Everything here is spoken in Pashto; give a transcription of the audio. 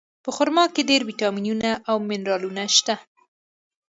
په خرما کې ډېر ویټامینونه او منرالونه شته.